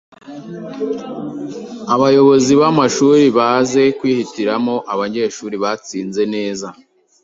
Abayobozi b’amashuri baze kwihitiramo abanyeshuri batsinze neza.”